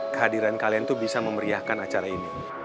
kehadiran kalian itu bisa memeriahkan acara ini